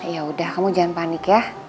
ya udah kamu jangan panik ya